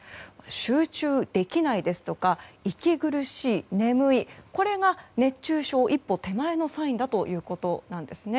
集中できないですとか、息苦しい眠いというのが熱中症一歩手前のサインだということなんです。